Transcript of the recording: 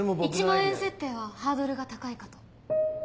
１万円設定はハードルが高いかと。